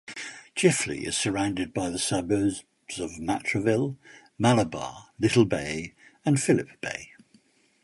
Chifley is surrounded by the suburbs of Matraville, Malabar, Little Bay and Phillip Bay.